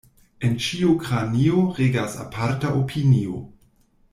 En ĉiu kranio regas aparta opinio.